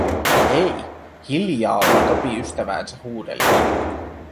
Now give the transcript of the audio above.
Ei, hiljaa oli Topi ystäväänsä huudellut.